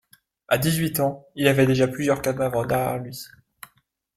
À dix-huit ans, il avait déjà plusieurs cadavres derrière lui.